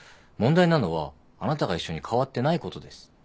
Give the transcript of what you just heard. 問題なのはあなたが一緒に変わってないことです。